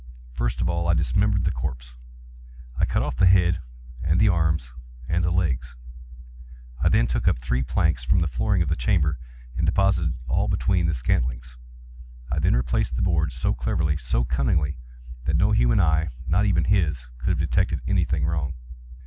First of all I dismembered the corpse. I cut off the head and the arms and the legs. I then took up three planks from the flooring of the chamber, and deposited all between the scantlings. I then replaced the boards so cleverly, so cunningly, that no human eye—not even his—could have detected any thing wrong.